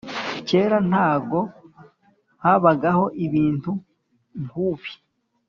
Kera ntago habagaho ibintu nkubi